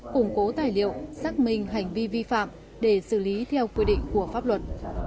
củng cố tài liệu xác minh hành vi vi phạm để xử lý theo quy định của pháp luật